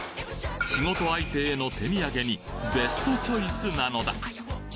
仕事相手への手土産にベストチョイスなのだ